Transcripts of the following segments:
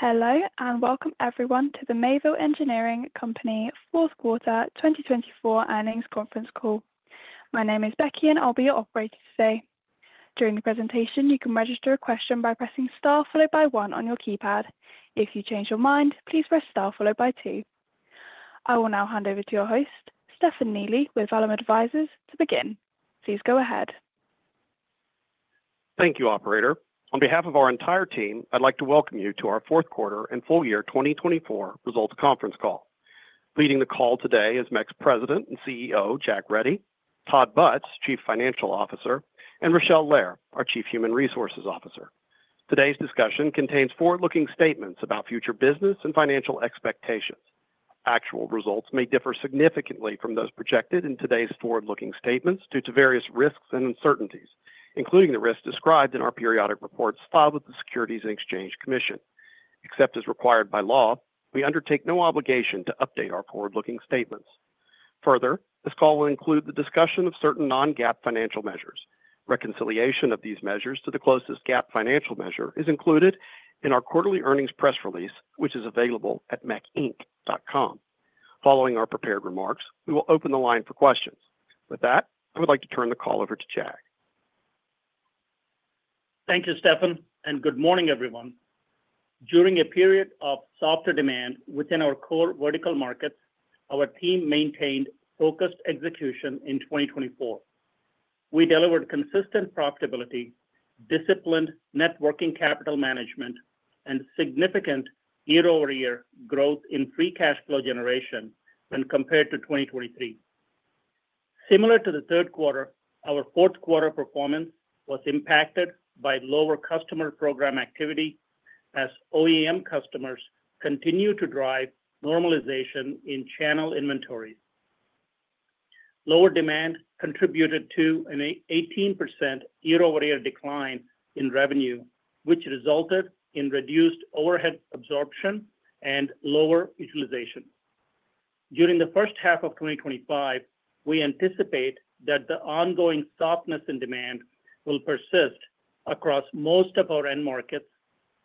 Hello and welcome everyone to the Mayville Engineering Company Fourth Quarter 2024 Earnings Conference Call. My name is Becky and I'll be your operator today. During the presentation, you can register a question by pressing star followed by one on your keypad. If you change your mind, please press star followed by two. I will now hand over to your host, Stefan Neely, with Vallum Advisors, to begin. Please go ahead. Thank you, Operator. On behalf of our entire team, I'd like to welcome you to our Fourth Quarter and Full Year 2024 Results Conference Call. Leading the call today is Mayville Engineering Company President and CEO, Jag Reddy, Todd Butz, Chief Financial Officer, and Rachele Lehr, our Chief Human Resources Officer. Today's discussion contains forward-looking statements about future business and financial expectations. Actual results may differ significantly from those projected in today's forward-looking statements due to various risks and uncertainties, including the risks described in our periodic reports filed with the Securities and Exchange Commission. Except as required by law, we undertake no obligation to update our forward-looking statements. Further, this call will include the discussion of certain non-GAAP financial measures. Reconciliation of these measures to the closest GAAP financial measure is included in our Quarterly Earnings Press Release, which is available at mecinc.com. Following our prepared remarks, we will open the line for questions. With that, I would like to turn the call over to Jag. Thank you, Stefan, and good morning, everyone. During a period of softer demand within our core vertical markets, our team maintained focused execution in 2024. We delivered consistent profitability, disciplined net working capital management, and significant year-over-year growth in free cash flow generation when compared to 2023. Similar to the third quarter, our fourth quarter performance was impacted by lower customer program activity as OEM customers continued to drive normalization in channel inventories. Lower demand contributed to an 18% year-over-year decline in revenue, which resulted in reduced overhead absorption and lower utilization. During the first half of 2025, we anticipate that the ongoing softness in demand will persist across most of our end markets,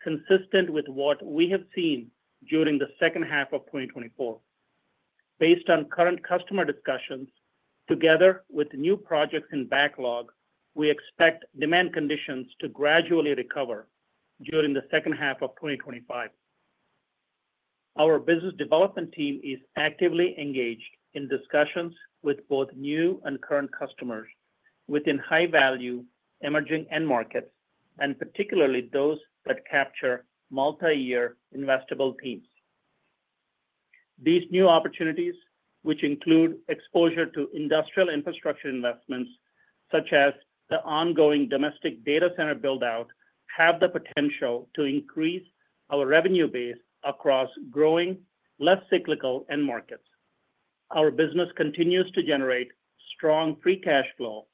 consistent with what we have seen during the second half of 2024. Based on current customer discussions, together with new projects in backlog, we expect demand conditions to gradually recover during the second half of 2025. Our business development team is actively engaged in discussions with both new and current customers within high-value emerging end markets, and particularly those that capture multi-year investable teams. These new opportunities, which include exposure to industrial infrastructure investments such as the ongoing domestic data center build-out, have the potential to increase our revenue base across growing, less cyclical end markets. Our business continues to generate strong free cash flow,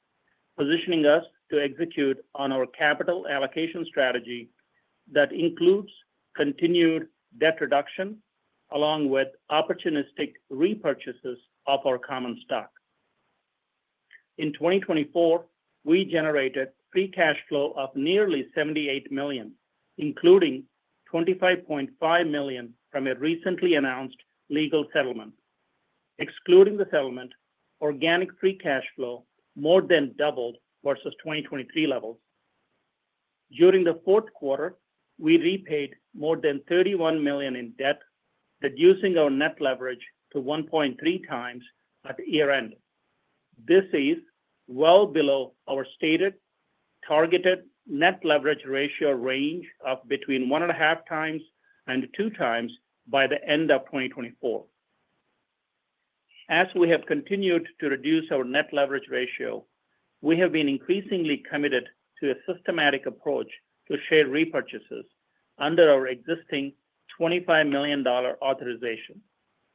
positioning us to execute on our capital allocation strategy that includes continued debt reduction along with opportunistic repurchases of our common stock. In 2024, we generated free cash flow of nearly $78 million, including $25.5 million from a recently announced legal settlement. Excluding the settlement, organic free cash flow more than doubled versus 2023 levels. During the fourth quarter, we repaid more than $31 million in debt, reducing our net leverage to 1.3 times at year-end. This is well below our stated targeted net leverage ratio range of between 1.5 times and 2 times by the end of 2024. As we have continued to reduce our net leverage ratio, we have been increasingly committed to a systematic approach to share repurchases under our existing $25 million authorization.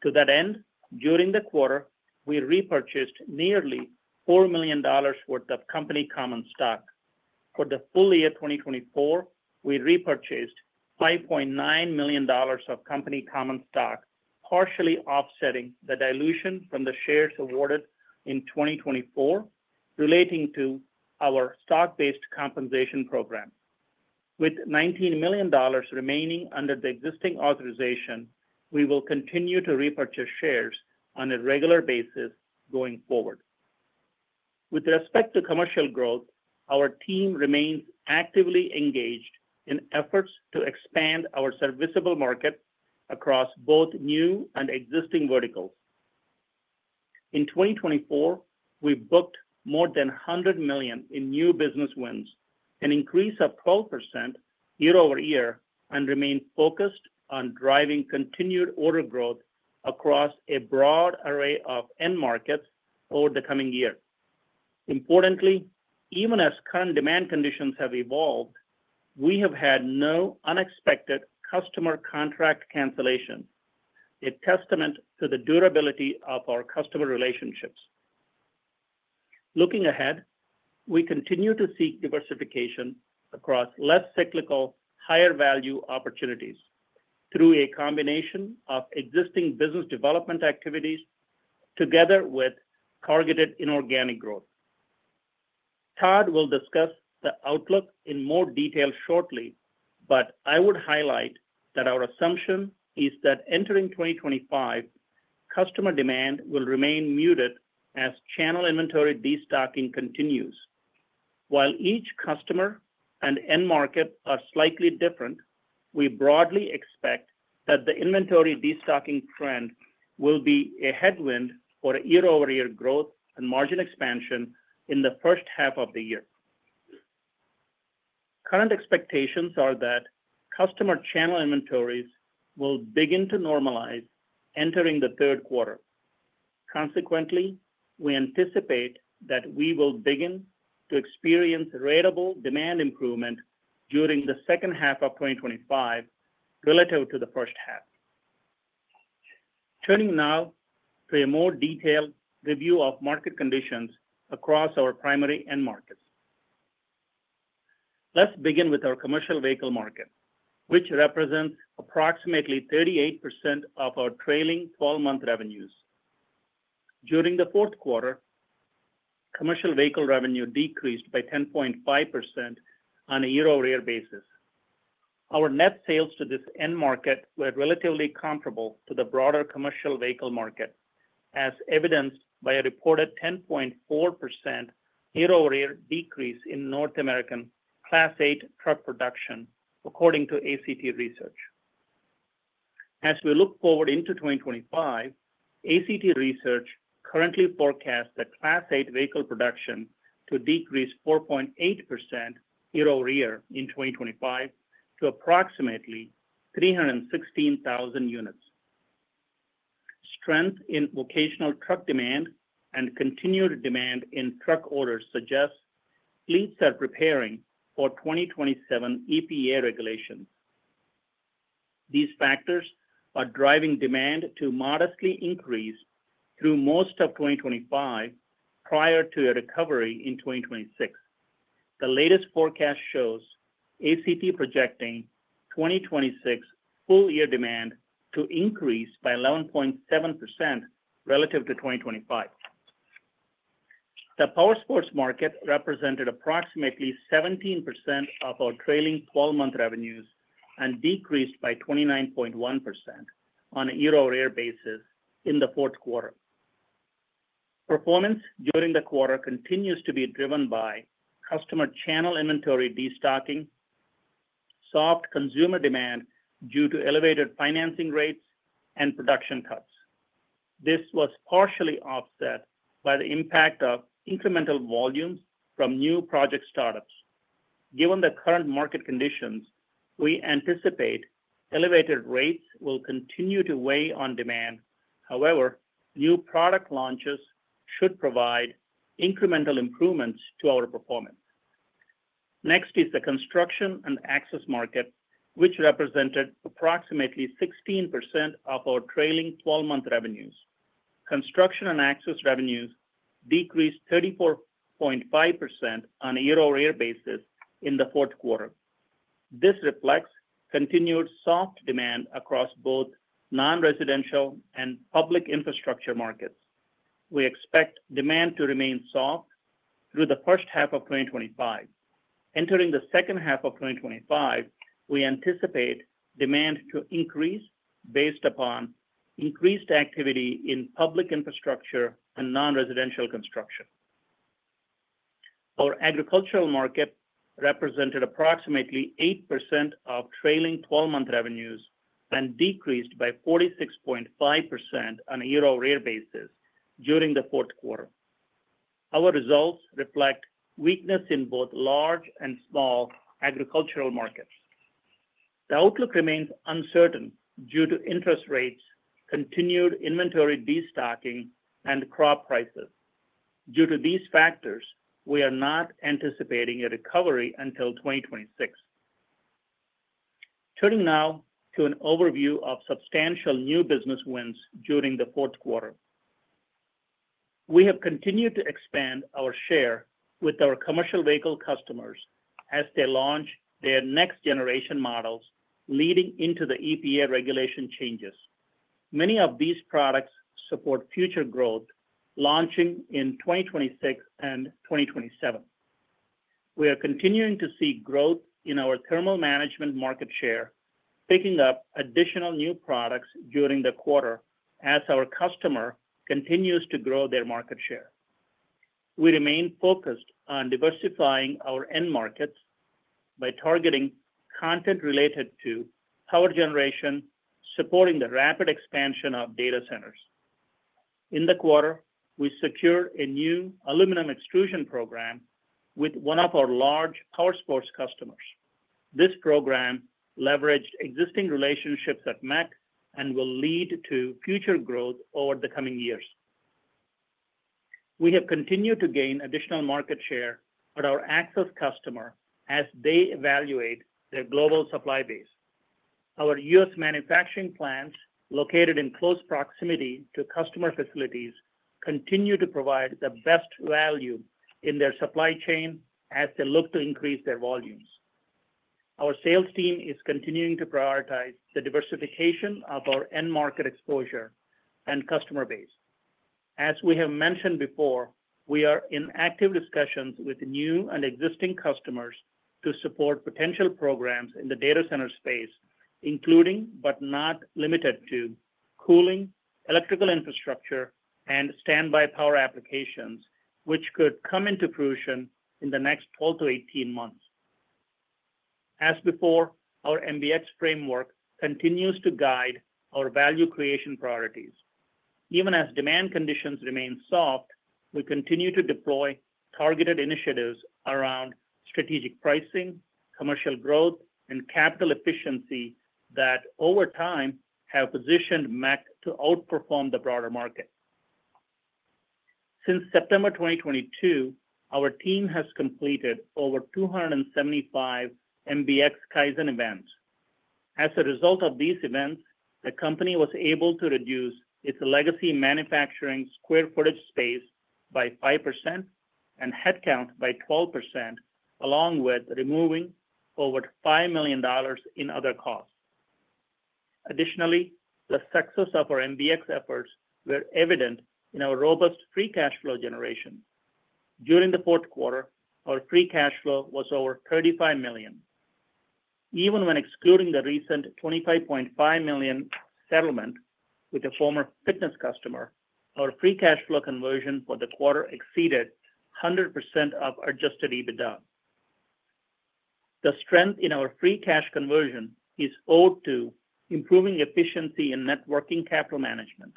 To that end, during the quarter, we repurchased nearly $4 million worth of company common stock. For the full year 2024, we repurchased $5.9 million of company common stock, partially offsetting the dilution from the shares awarded in 2024 relating to our stock-based compensation program. With $19 million remaining under the existing authorization, we will continue to repurchase shares on a regular basis going forward. With respect to commercial growth, our team remains actively engaged in efforts to expand our serviceable market across both new and existing verticals. In 2024, we booked more than $100 million in new business wins, an increase of 12% year-over-year, and remain focused on driving continued order growth across a broad array of end markets over the coming year. Importantly, even as current demand conditions have evolved, we have had no unexpected customer contract cancellation, a testament to the durability of our customer relationships. Looking ahead, we continue to seek diversification across less cyclical, higher-value opportunities through a combination of existing business development activities together with targeted inorganic growth. Todd will discuss the outlook in more detail shortly, but I would highlight that our assumption is that entering 2025, customer demand will remain muted as channel inventory destocking continues. While each customer and end market are slightly different, we broadly expect that the inventory destocking trend will be a headwind for year-over-year growth and margin expansion in the first half of the year. Current expectations are that customer channel inventories will begin to normalize entering the third quarter. Consequently, we anticipate that we will begin to experience ratable demand improvement during the second half of 2025 relative to the first half. Turning now to a more detailed review of market conditions across our primary end markets, let's begin with our commercial vehicle market, which represents approximately 38% of our trailing 12-month revenues. During the fourth quarter, commercial vehicle revenue decreased by 10.5% on a year-over-year basis. Our net sales to this end market were relatively comparable to the broader commercial vehicle market, as evidenced by a reported 10.4% year-over-year decrease in North American Class 8 truck production, according to ACT Research. As we look forward into 2025, ACT Research currently forecasts that Class 8 vehicle production to decrease 4.8% year-over-year in 2025 to approximately 316,000 units. Strength in vocational truck demand and continued demand in truck orders suggest fleets are preparing for 2027 EPA regulations. These factors are driving demand to modestly increase through most of 2025 prior to a recovery in 2026. The latest forecast shows ACT projecting 2026 full-year demand to increase by 11.7% relative to 2025. Powersports market represented approximately 17% of our trailing 12-month revenues and decreased by 29.1% on a year-over-year basis in the fourth quarter. Performance during the quarter continues to be driven by customer channel inventory destocking, soft consumer demand due to elevated financing rates, and production cuts. This was partially offset by the impact of incremental volumes from new project startups. Given the current market conditions, we anticipate elevated rates will continue to weigh on demand. However, new product launches should provide incremental improvements to our performance. Next is the construction and access market, which represented approximately 16% of our trailing 12-month revenues. Construction and access revenues decreased 34.5% on a year-over-year basis in the fourth quarter. This reflects continued soft demand across both non-residential and public infrastructure markets. We expect demand to remain soft through the first half of 2025. Entering the second half of 2025, we anticipate demand to increase based upon increased activity in public infrastructure and non-residential construction. Our agricultural market represented approximately 8% of trailing 12-month revenues and decreased by 46.5% on a year-over-year basis during the fourth quarter. Our results reflect weakness in both large and small agricultural markets. The outlook remains uncertain due to interest rates, continued inventory destocking, and crop prices. Due to these factors, we are not anticipating a recovery until 2026. Turning now to an overview of substantial new business wins during the fourth quarter, we have continued to expand our share with our commercial vehicle customers as they launch their next-generation models leading into the EPA regulation changes. Many of these products support future growth, launching in 2026 and 2027. We are continuing to see growth in our thermal management market share, picking up additional new products during the quarter as our customer continues to grow their market share. We remain focused on diversifying our end markets by targeting content related to power generation, supporting the rapid expansion of data centers. In the quarter, we secured a new aluminum extrusion program with one of our Powersports customers. This program leveraged existing relationships at MEC and will lead to future growth over the coming years. We have continued to gain additional market share at our access customer as they evaluate their global supply base. Our U.S. manufacturing plants located in close proximity to customer facilities continue to provide the best value in their supply chain as they look to increase their volumes. Our sales team is continuing to prioritize the diversification of our end market exposure and customer base. As we have mentioned before, we are in active discussions with new and existing customers to support potential programs in the data center space, including but not limited to cooling, electrical infrastructure, and standby power applications, which could come into fruition in the next 12 to 18 months. As before, our MBX framework continues to guide our value creation priorities. Even as demand conditions remain soft, we continue to deploy targeted initiatives around strategic pricing, commercial growth, and capital efficiency that over time have positioned MEC to outperform the broader market. Since September 2022, our team has completed over 275 MBX Kaizen events. As a result of these events, the company was able to reduce its legacy manufacturing square footage space by 5% and headcount by 12%, along with removing over $5 million in other costs. Additionally, the success of our MBX efforts was evident in our robust free cash flow generation. During the fourth quarter, our free cash flow was over $35 million. Even when excluding the recent $25.5 million settlement with a former fitness customer, our free cash flow conversion for the quarter exceeded 100% of adjusted EBITDA. The strength in our free cash conversion is owed to improving efficiency in net working capital management.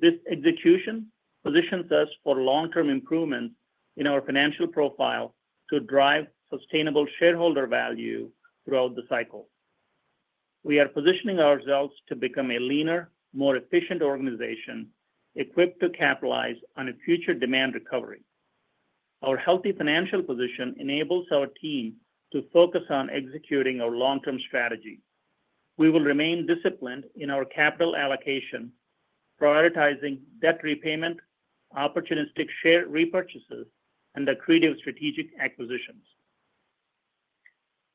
This execution positions us for long-term improvements in our financial profile to drive sustainable shareholder value throughout the cycle. We are positioning ourselves to become a leaner, more efficient organization equipped to capitalize on a future demand recovery. Our healthy financial position enables our team to focus on executing our long-term strategy. We will remain disciplined in our capital allocation, prioritizing debt repayment, opportunistic share repurchases, and accretive strategic acquisitions.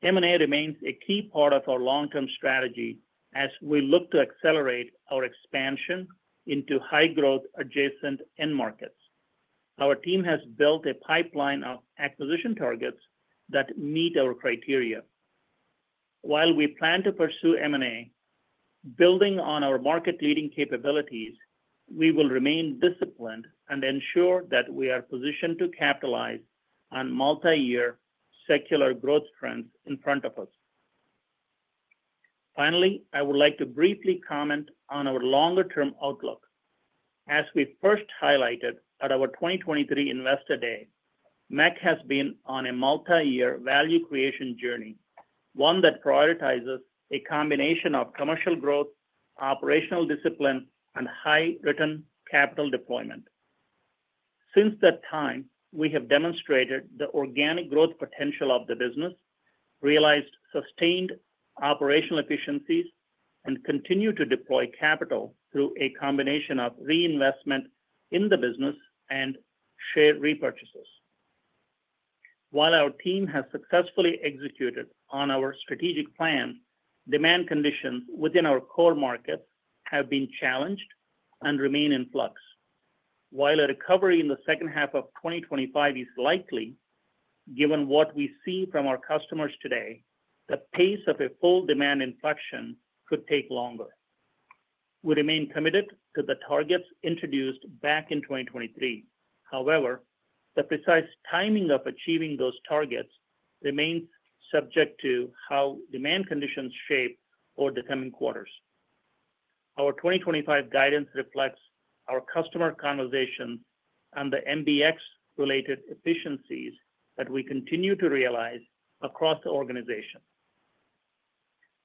M&A remains a key part of our long-term strategy as we look to accelerate our expansion into high-growth adjacent end markets. Our team has built a pipeline of acquisition targets that meet our criteria. While we plan to pursue M&A, building on our market-leading capabilities, we will remain disciplined and ensure that we are positioned to capitalize on multi-year secular growth trends in front of us. Finally, I would like to briefly comment on our longer-term outlook. As we first highlighted at our 2023 Investor Day, MEC has been on a multi-year value creation journey, one that prioritizes a combination of commercial growth, operational discipline, and high-return capital deployment. Since that time, we have demonstrated the organic growth potential of the business, realized sustained operational efficiencies, and continued to deploy capital through a combination of reinvestment in the business and share repurchases. While our team has successfully executed on our strategic plan, demand conditions within our core markets have been challenged and remain in flux. While a recovery in the second half of 2025 is likely, given what we see from our customers today, the pace of a full demand inflection could take longer. We remain committed to the targets introduced back in 2023. However, the precise timing of achieving those targets remains subject to how demand conditions shape over the coming quarters. Our 2025 guidance reflects our customer conversations and the MBX-related efficiencies that we continue to realize across the organization.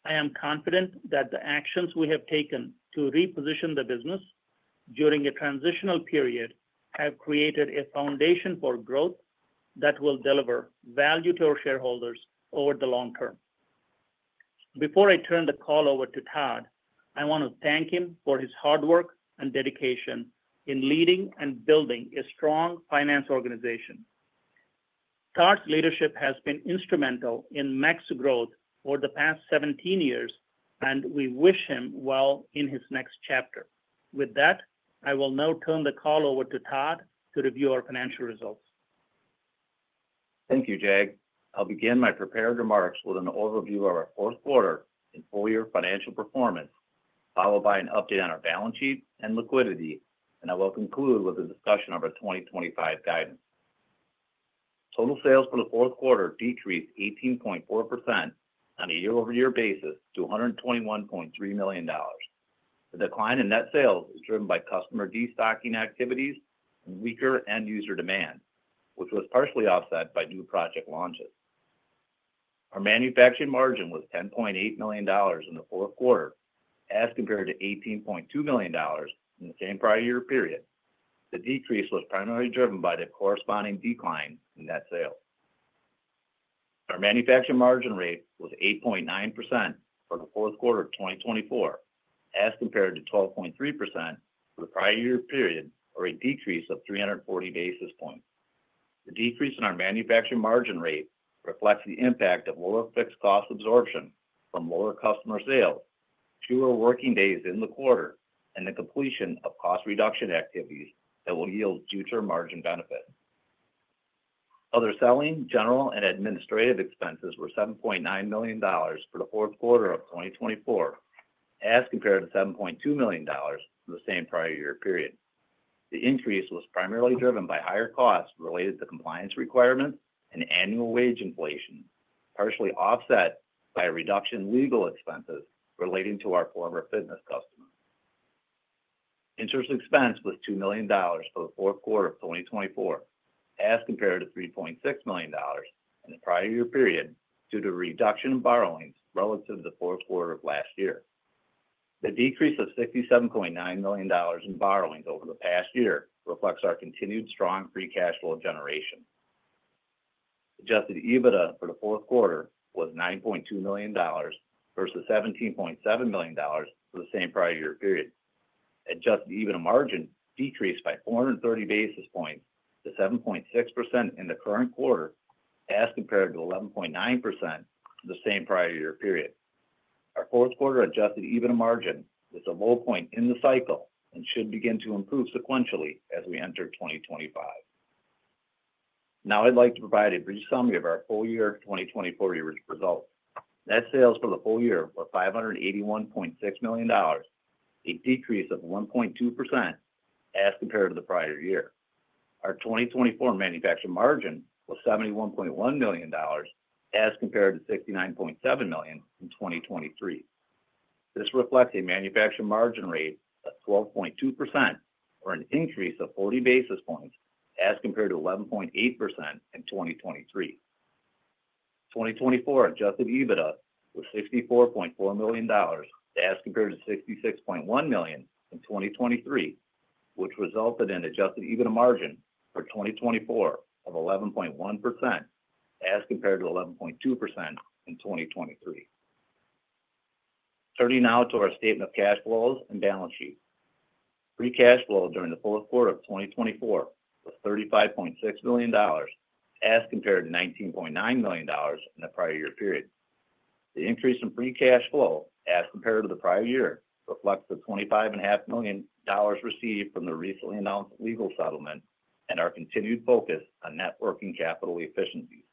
I am confident that the actions we have taken to reposition the business during a transitional period have created a foundation for growth that will deliver value to our shareholders over the long term. Before I turn the call over to Todd, I want to thank him for his hard work and dedication in leading and building a strong finance organization. Todd's leadership has been instrumental in MEC's growth for the past 17 years, and we wish him well in his next chapter. With that, I will now turn the call over to Todd to review our financial results. Thank you, Jag. I'll begin my prepared remarks with an overview of our fourth quarter and full-year financial performance, followed by an update on our balance sheet and liquidity, and I will conclude with a discussion of our 2025 guidance. Total sales for the fourth quarter decreased 18.4% on a year-over-year basis to $121.3 million. The decline in net sales was driven by customer destocking activities and weaker end-user demand, which was partially offset by new project launches. Our manufacturing margin was $10.8 million in the fourth quarter as compared to $18.2 million in the same prior-year period. The decrease was primarily driven by the corresponding decline in net sales. Our manufacturing margin rate was 8.9% for the fourth quarter of 2024 as compared to 12.3% for the prior-year period, or a decrease of 340 basis points. The decrease in our manufacturing margin rate reflects the impact of lower fixed cost absorption from lower customer sales, fewer working days in the quarter, and the completion of cost reduction activities that will yield future margin benefits. Other selling, general, and administrative expenses were $7.9 million for the fourth quarter of 2024 as compared to $7.2 million for the same prior-year period. The increase was primarily driven by higher costs related to compliance requirements and annual wage inflation, partially offset by reduction in legal expenses relating to our former fitness customers. Interest expense was $2 million for the fourth quarter of 2024 as compared to $3.6 million in the prior-year period due to reduction in borrowings relative to the fourth quarter of last year. The decrease of $67.9 million in borrowings over the past year reflects our continued strong free cash flow generation. Adjusted EBITDA for the fourth quarter was $9.2 million versus $17.7 million for the same prior-year period. Adjusted EBITDA margin decreased by 430 basis points to 7.6% in the current quarter as compared to 11.9% for the same prior-year period. Our fourth quarter adjusted EBITDA margin is a low point in the cycle and should begin to improve sequentially as we enter 2025. Now, I'd like to provide a brief summary of our full-year 2024 results. Net sales for the full year were $581.6 million, a decrease of 1.2% as compared to the prior year. Our 2024 manufacturing margin was $71.1 million as compared to $69.7 million in 2023. This reflects a manufacturing margin rate of 12.2%, or an increase of 40 basis points as compared to 11.8% in 2023. 2024 adjusted EBITDA was $64.4 million as compared to $66.1 million in 2023, which resulted in adjusted EBITDA margin for 2024 of 11.1% as compared to 11.2% in 2023. Turning now to our statement of cash flows and balance sheet. Free cash flow during the fourth quarter of 2024 was $35.6 million as compared to $19.9 million in the prior-year period. The increase in free cash flow as compared to the prior year reflects the $25.5 million received from the recently announced legal settlement and our continued focus on net working capital efficiencies.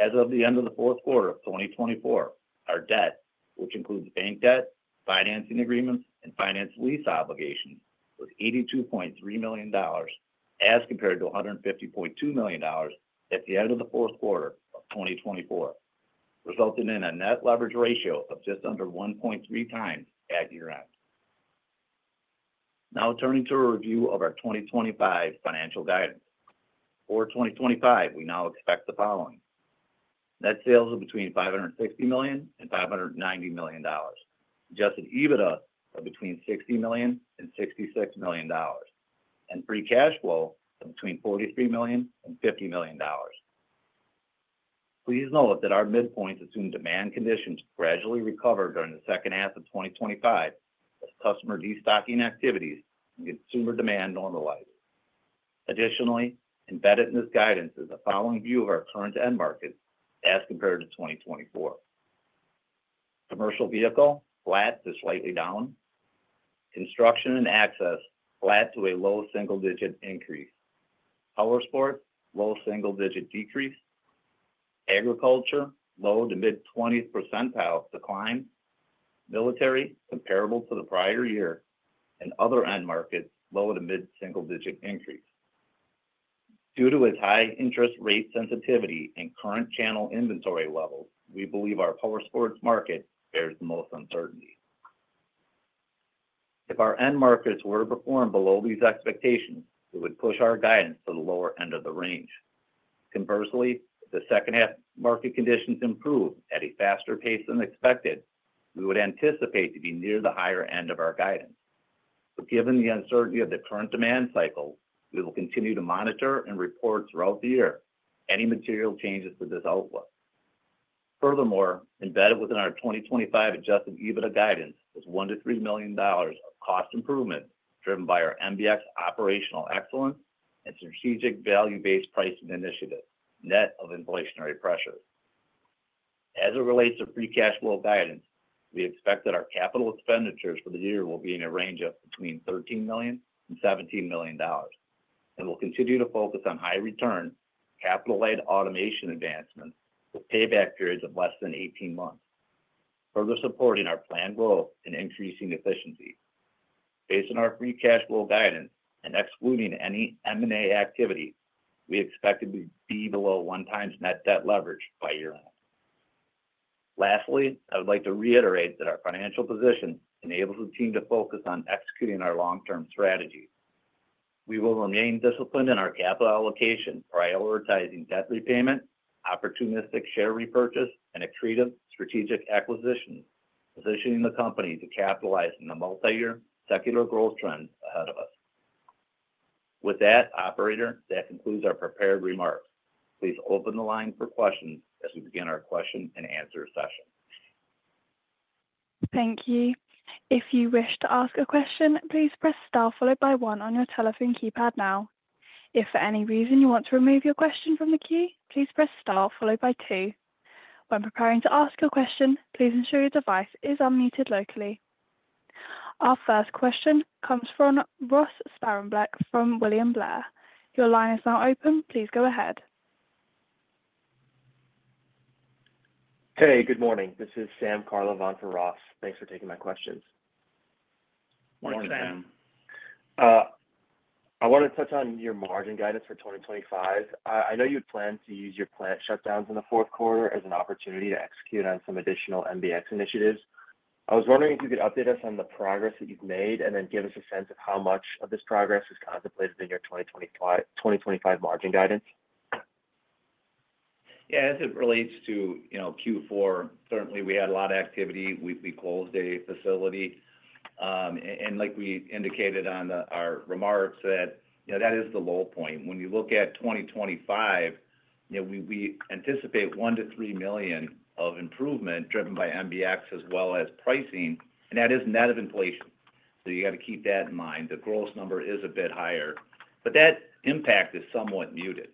As of the end of the fourth quarter of 2024, our debt, which includes bank debt, financing agreements, and finance lease obligations, was $82.3 million as compared to $150.2 million at the end of the fourth quarter of 2023, resulting in a net leverage ratio of just under 1.3 times at year-end. Now, turning to a review of our 2025 financial guidance. For 2025, we now expect the following: net sales of between $560 million and $590 million, adjusted EBITDA of between $60 million and $66 million, and free cash flow of between $43 million and $50 million. Please note that our midpoint assumed demand conditions gradually recovered during the second half of 2025 as customer destocking activities and consumer demand normalized. Additionally, embedded in this guidance is the following view of our current end markets as compared to 2024: commercial vehicle flat to slightly down, construction and access flat to a low single-digit Powersports low single-digit decrease, agriculture low to mid-20% decline, military comparable to the prior year, and other end markets low to mid-single-digit increase. Due to its high interest rate sensitivity and current channel inventory levels, we believe Powersports market bears the most uncertainty. If our end markets were to perform below these expectations, it would push our guidance to the lower end of the range. Conversely, if the second-half market conditions improve at a faster pace than expected, we would anticipate to be near the higher end of our guidance. Given the uncertainty of the current demand cycle, we will continue to monitor and report throughout the year any material changes to this outlook. Furthermore, embedded within our 2025 adjusted EBITDA guidance is $1-$3 million of cost improvement driven by our MBX operational excellence and strategic value-based pricing initiative, net of inflationary pressures. As it relates to free cash flow guidance, we expect that our capital expenditures for the year will be in a range of between $13 million and $17 million, and we'll continue to focus on high-return, capital-led automation advancements with payback periods of less than 18 months, further supporting our planned growth and increasing efficiency. Based on our free cash flow guidance and excluding any M&A activity, we expect it to be below one times net debt leverage by year-end. Lastly, I would like to reiterate that our financial position enables the team to focus on executing our long-term strategy. We will remain disciplined in our capital allocation, prioritizing debt repayment, opportunistic share repurchase, and accretive strategic acquisitions, positioning the company to capitalize on the multi-year secular growth trends ahead of us. With that, Operator, that concludes our prepared remarks. Please open the line for questions as we begin our question and answer session. Thank you. If you wish to ask a question, please press Star followed by 1 on your telephone keypad now. If for any reason you want to remove your question from the queue, please press Star followed by 2. When preparing to ask your question, please ensure your device is unmuted locally. Our first question comes from Ross Sparenblek from William Blair. Your line is now open. Please go ahead. Hey, good morning. This is Sam Karlov on for Ross. Thanks for taking my questions. Morning, Sam. Morning, Sam. I want to touch on your margin guidance for 2025. I know you had planned to use your plant shutdowns in the fourth quarter as an opportunity to execute on some additional MBX initiatives. I was wondering if you could update us on the progress that you've made and then give us a sense of how much of this progress is contemplated in your 2025 margin guidance. Yeah, as it relates to Q4, certainly we had a lot of activity. We closed a facility. Like we indicated on our remarks, that is the low point. When you look at 2025, we anticipate $1 million-$3 million of improvement driven by MBX as well as pricing, and that is net of inflation. You got to keep that in mind. The gross number is a bit higher. That impact is somewhat muted,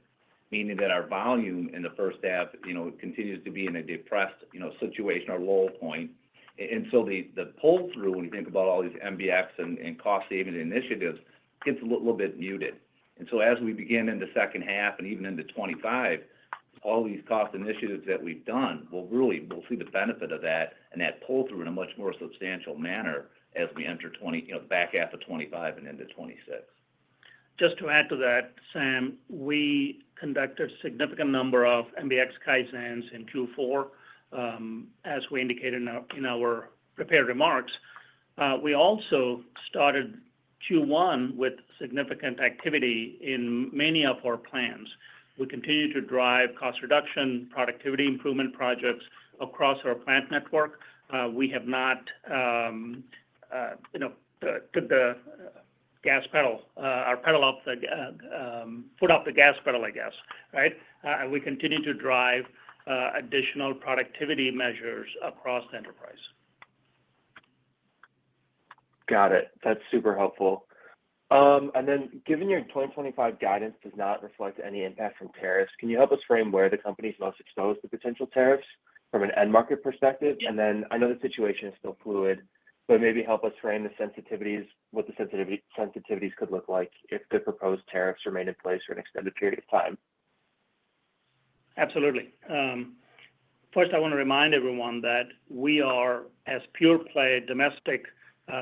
meaning that our volume in the first half continues to be in a depressed situation, our low point. The pull-through, when you think about all these MBX and cost-saving initiatives, gets a little bit muted. As we begin in the second half and even into 2025, all these cost initiatives that we've done, we'll really see the benefit of that and that pull-through in a much more substantial manner as we enter the back half of 2025 and into 2026. Just to add to that, Sam, we conducted a significant number of MBX Kaizens in Q4, as we indicated in our prepared remarks. We also started Q1 with significant activity in many of our plants. We continue to drive cost reduction, productivity improvement projects across our plant network. We have not taken our foot off the gas pedal, I guess, right? And we continue to drive additional productivity measures across the enterprise. Got it. That's super helpful. Given your 2025 guidance does not reflect any impact from tariffs, can you help us frame where the company is most exposed to potential tariffs from an end market perspective? I know the situation is still fluid, but maybe help us frame the sensitivities, what the sensitivities could look like if the proposed tariffs remain in place for an extended period of time. Absolutely. First, I want to remind everyone that we are as pure-play domestic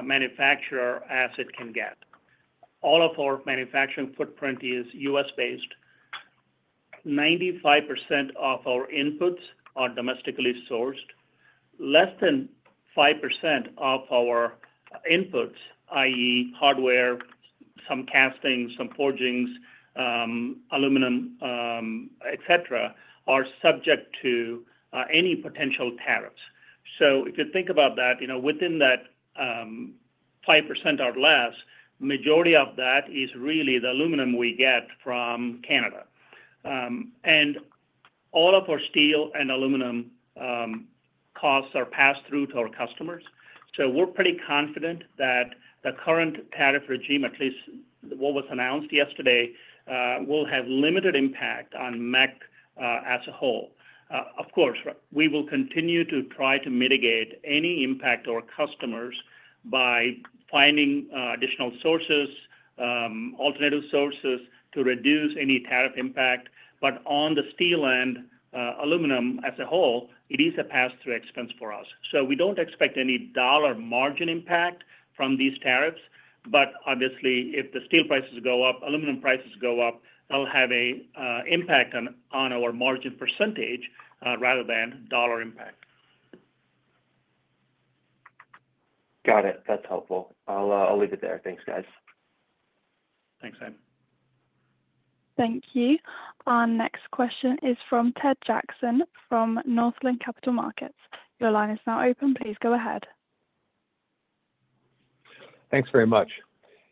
manufacturer as it can get. All of our manufacturing footprint is U.S.-based. 95% of our inputs are domestically sourced. Less than 5% of our inputs, i.e., hardware, some castings, some forgings, aluminum, etc., are subject to any potential tariffs. If you think about that, within that 5% or less, the majority of that is really the aluminum we get from Canada. All of our steel and aluminum costs are passed through to our customers. We are pretty confident that the current tariff regime, at least what was announced yesterday, will have limited impact on MEC as a whole. Of course, we will continue to try to mitigate any impact to our customers by finding additional sources, alternative sources to reduce any tariff impact. On the steel and aluminum as a whole, it is a pass-through expense for us. We do not expect any dollar margin impact from these tariffs. Obviously, if the steel prices go up, aluminum prices go up, that will have an impact on our margin percentage rather than dollar impact. Got it. That is helpful. I will leave it there. Thanks, guys. Thanks, Sam. Thank you. Our next question is from Ted Jackson from Northland Capital Markets. Your line is now open. Please go ahead. Thanks very much.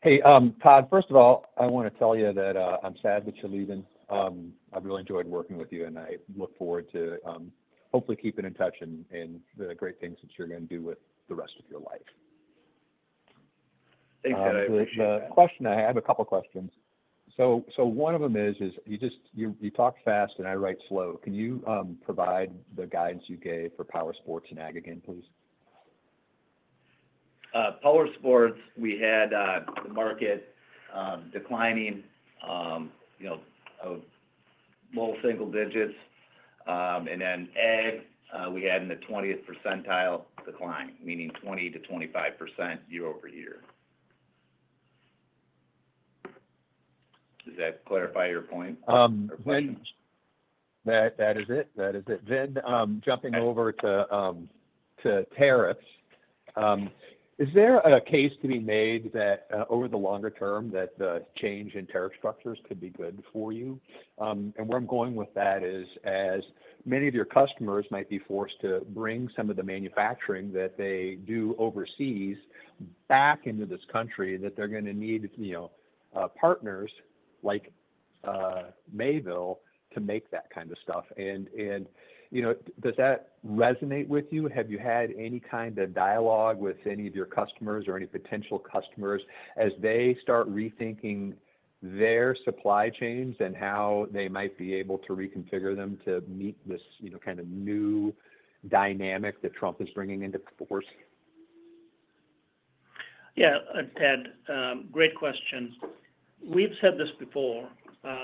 Hey, Todd, first of all, I want to tell you that I'm sad that you're leaving. I've really enjoyed working with you, and I look forward to hopefully keeping in touch and the great things that you're going to do with the rest of your life. Thanks, guys. The question I have—I have a couple of questions. One of them is, you talk fast and I write slow. Can you provide the guidance you gave Powersports and Ag again, please? Powersports, we had the market declining low single digits. Ag, we had in the 20th percentile decline, meaning 20-25% year over year. Does that clarify your point? That is it. That is it. Jumping over to tariffs, is there a case to be made that over the longer term, that the change in tariff structures could be good for you? Where I'm going with that is, as many of your customers might be forced to bring some of the manufacturing that they do overseas back into this country, they're going to need partners like Mayville to make that kind of stuff. Does that resonate with you? Have you had any kind of dialogue with any of your customers or any potential customers as they start rethinking their supply chains and how they might be able to reconfigure them to meet this kind of new dynamic that Trump is bringing into force? Yeah, Ted, great question. We've said this before.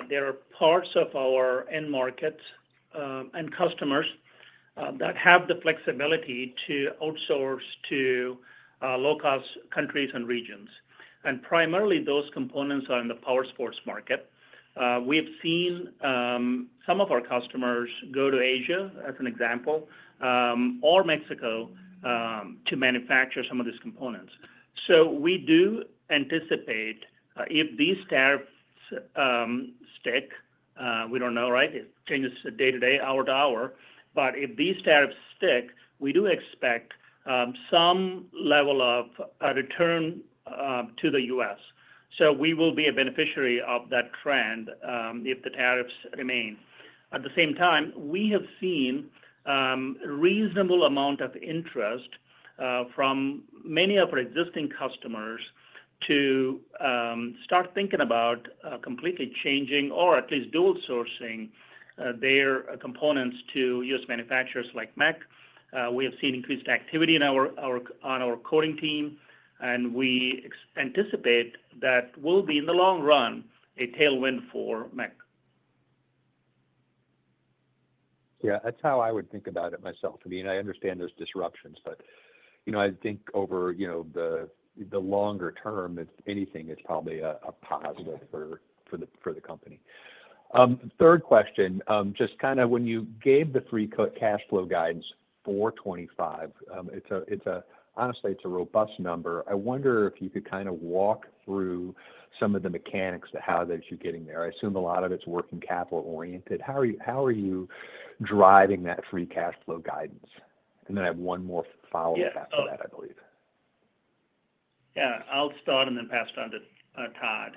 There are parts of our end markets and customers that have the flexibility to outsource to low-cost countries and regions. Primarily, those components are in Powersports market. We have seen some of our customers go to Asia, as an example, or Mexico to manufacture some of these components. We do anticipate if these tariffs stick—we don't know, right? It changes day to day, hour to hour. If these tariffs stick, we do expect some level of return to the U.S. We will be a beneficiary of that trend if the tariffs remain. At the same time, we have seen a reasonable amount of interest from many of our existing customers to start thinking about completely changing or at least dual sourcing their components to U.S. manufacturers like MEC. We have seen increased activity on our quoting team, and we anticipate that will be, in the long run, a tailwind for MEC. Yeah, that's how I would think about it myself. I mean, I understand those disruptions, but I think over the longer term, if anything, it's probably a positive for the company. Third question, just kind of when you gave the free cash flow guidance for 2025, honestly, it's a robust number. I wonder if you could kind of walk through some of the mechanics of how that you're getting there. I assume a lot of it's working capital-oriented. How are you driving that free cash flow guidance? I have one more follow-up after that, I believe. Yeah, I'll start and then pass it on to Todd.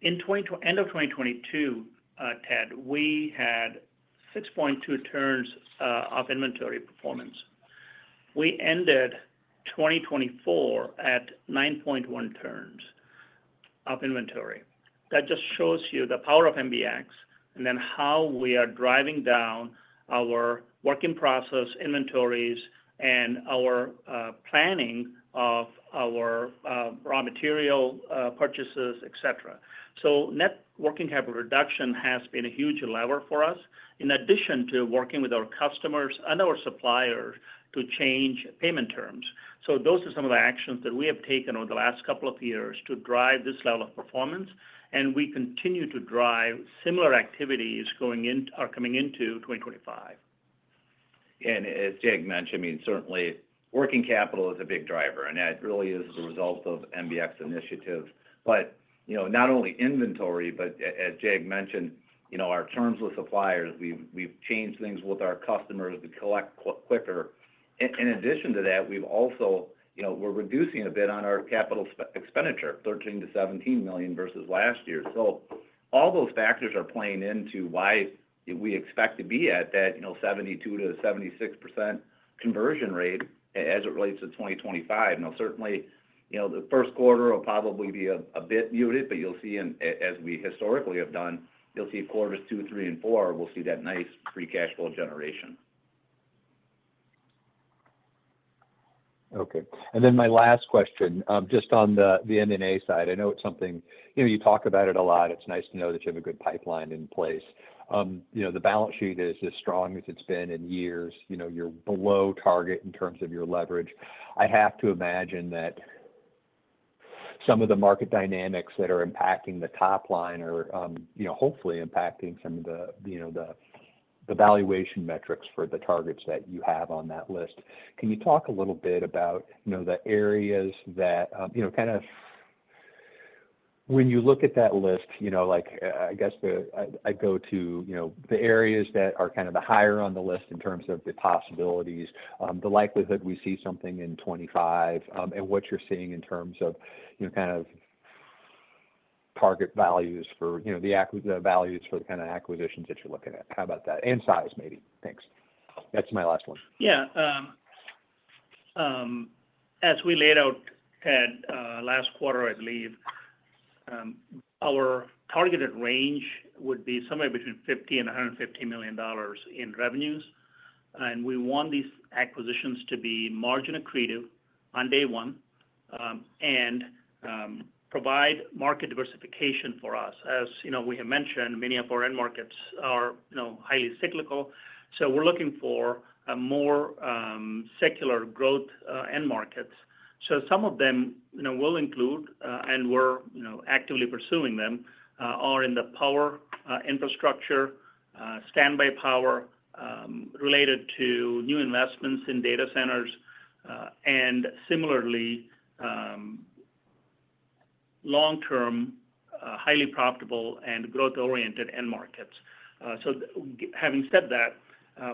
In the end of 2022, Ted, we had 6.2 turns of inventory performance. We ended 2024 at 9.1 turns of inventory. That just shows you the power of MBX and then how we are driving down our work in process, inventories, and our planning of our raw material purchases, etc. Net working capital reduction has been a huge lever for us, in addition to working with our customers and our suppliers to change payment terms. Those are some of the actions that we have taken over the last couple of years to drive this level of performance, and we continue to drive similar activities coming into 2025. As Jag mentioned, I mean, certainly, working capital is a big driver, and that really is the result of the MBX initiative. Not only inventory, but as Jag mentioned, our terms with suppliers, we've changed things with our customers to collect quicker. In addition to that, we've also been reducing a bit on our capital expenditure, $13 million-$17 million versus last year. All those factors are playing into why we expect to be at that 72%-76% conversion rate as it relates to 2025. Now, certainly, the first quarter will probably be a bit muted, but you'll see, as we historically have done, you'll see quarters two, three, and four, we'll see that nice free cash flow generation. Okay. My last question, just on the M&A side, I know it's something you talk about a lot. It's nice to know that you have a good pipeline in place. The balance sheet is as strong as it's been in years. You're below target in terms of your leverage. I have to imagine that some of the market dynamics that are impacting the top line are hopefully impacting some of the valuation metrics for the targets that you have on that list. Can you talk a little bit about the areas that kind of when you look at that list, I guess I go to the areas that are kind of higher on the list in terms of the possibilities, the likelihood we see something in 2025, and what you're seeing in terms of kind of target values for the values for the kind of acquisitions that you're looking at. How about that? And size, maybe. Thanks. That's my last one. Yeah. As we laid out at last quarter, I believe, our targeted range would be somewhere between $50 million and $150 million in revenues. We want these acquisitions to be margin accretive on day one and provide market diversification for us. As we have mentioned, many of our end markets are highly cyclical. We are looking for more secular growth end markets. Some of them will include, and we're actively pursuing them, are in the power infrastructure, standby power related to new investments in data centers, and similarly, long-term, highly profitable and growth-oriented end markets. Having said that,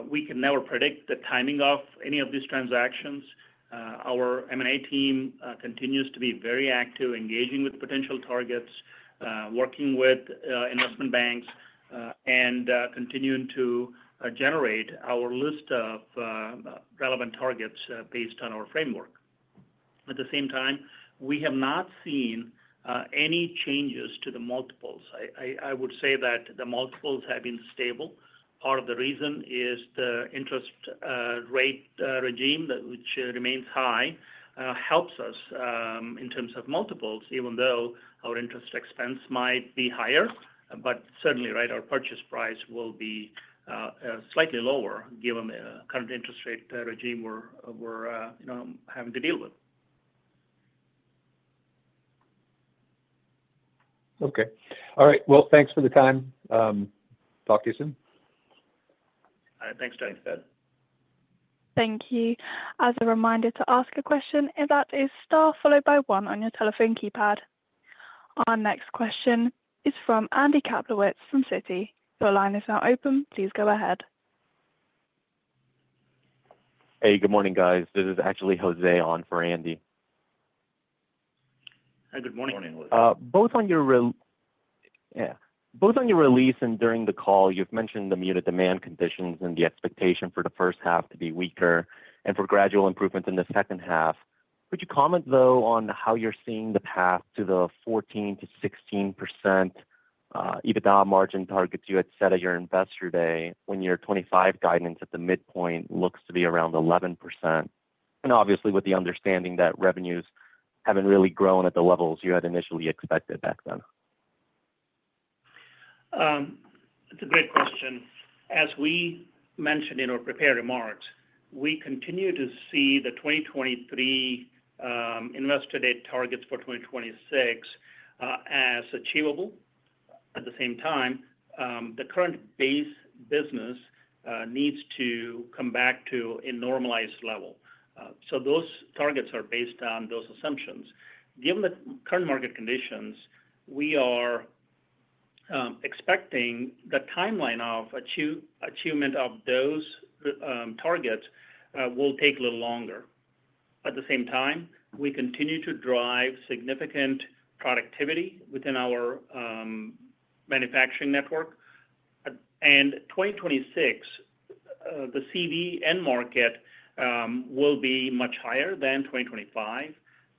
we can never predict the timing of any of these transactions. Our M&A team continues to be very active, engaging with potential targets, working with investment banks, and continuing to generate our list of relevant targets based on our framework. At the same time, we have not seen any changes to the multiples. I would say that the multiples have been stable. Part of the reason is the interest rate regime, which remains high, helps us in terms of multiples, even though our interest expense might be higher. Certainly, right, our purchase price will be slightly lower given the current interest rate regime we're having to deal with. Okay. All right. Thanks for the time. Talk to you soon. Thanks, Ted. Thank you. As a reminder to ask a question, that is star followed by one on your telephone keypad. Our next question is from Andy Kaplowitz from Citi. Your line is now open. Please go ahead. Hey, good morning, guys. This is actually Jose on for Andy. Hi, good morning. Both on your release and during the call, you've mentioned the muted demand conditions and the expectation for the first half to be weaker and for gradual improvements in the second half. Could you comment, though, on how you're seeing the path to the 14%-16% EBITDA margin targets you had set at your investor day when your 2025 guidance at the midpoint looks to be around 11%? Obviously, with the understanding that revenues have not really grown at the levels you had initially expected back then. That is a great question. As we mentioned in our prepared remarks, we continue to see the 2023 investor-date targets for 2026 as achievable. At the same time, the current base business needs to come back to a normalized level. Those targets are based on those assumptions. Given the current market conditions, we are expecting the timeline of achievement of those targets will take a little longer. At the same time, we continue to drive significant productivity within our manufacturing network. In 2026, the CV end market will be much higher than 2025.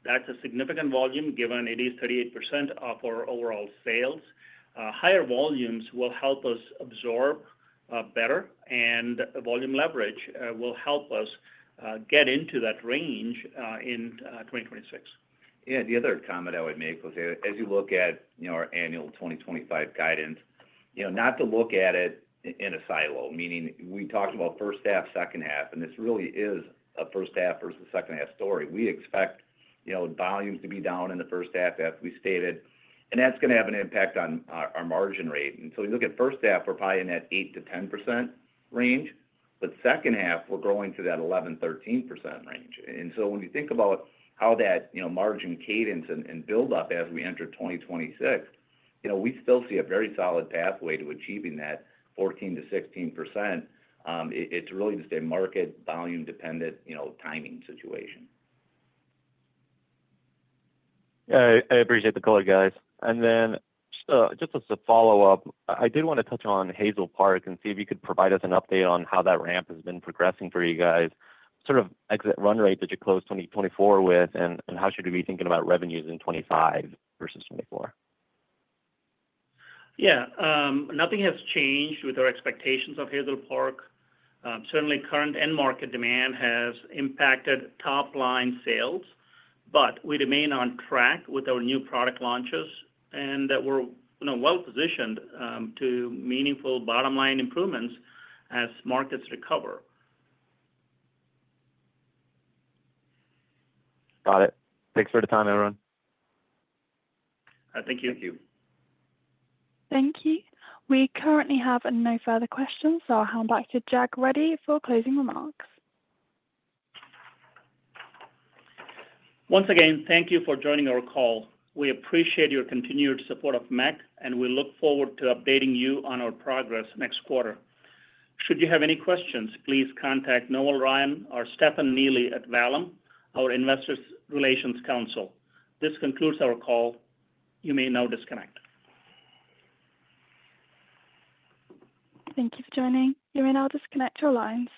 That is a significant volume given it is 38% of our overall sales. Higher volumes will help us absorb better, and volume leverage will help us get into that range in 2026. Yeah. The other comment I would make was, as you look at our annual 2025 guidance, not to look at it in a silo, meaning we talked about first half, second half, and this really is a first half versus second half story. We expect volumes to be down in the first half, as we stated, and that's going to have an impact on our margin rate. You look at first half, we're probably in that 8-10% range. Second half, we're growing to that 11-13% range. When you think about how that margin cadence and build-up as we enter 2026, we still see a very solid pathway to achieving that 14-16%. It's really just a market volume-dependent timing situation. Yeah, I appreciate the color, guys. Just as a follow-up, I did want to touch on Hazel Park and see if you could provide us an update on how that ramp has been progressing for you guys, sort of exit run rate that you closed 2024 with, and how should we be thinking about revenues in 2025 versus 2024? Yeah. Nothing has changed with our expectations of Hazel Park. Certainly, current end market demand has impacted top-line sales, but we remain on track with our new product launches, and we're well-positioned to meaningful bottom-line improvements as markets recover. Got it. Thanks for the time, everyone. Thank you. Thank you. Thank you. We currently have no further questions, so I'll hand back to Jag Reddy for closing remarks. Once again, thank you for joining our call. We appreciate your continued support of MEC, and we look forward to updating you on our progress next quarter. Should you have any questions, please contact Noel Ryan or Stefan Neely at Vallum, our investor relations counsel. This concludes our call. You may now disconnect. Thank you for joining. You may now disconnect your lines.